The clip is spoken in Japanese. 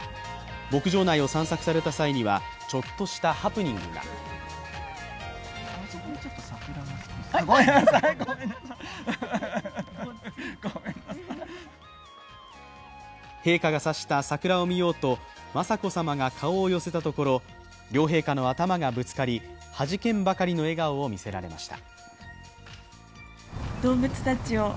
牧場内を散策された際には、ちょっとしたハプニングが陛下が指した桜を見ようと雅子さまが顔を寄せたところ、両陛下の頭がぶつかり、はじけんばかりの笑顔を見せられました。